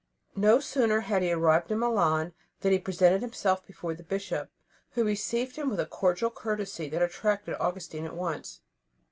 No sooner had he arrived in Milan than he presented himself before the Bishop, who received him with a cordial courtesy that attracted Augustine at once.